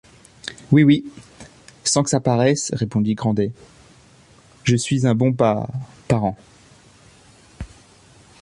Oui, oui, sans que ça paraisse, répondit Grandet, je suis un bon pa... parent.